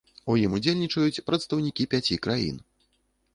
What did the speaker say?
У ім удзельнічаюць прадстаўнікі пяці краін.